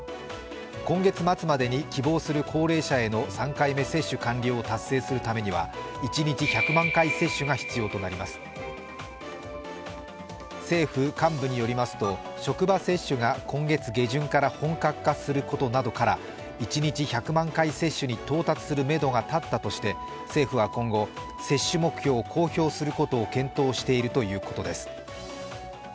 今月末までに希望する高齢者への３回目接種を完了させるには一日１００万回接種が必要となります政府幹部によりますと職場接種が今月下旬から本格化することなどから一日１００万回接種に到達するめどが立ったとして政府は今後、接種目標を公表することを検討しているということです。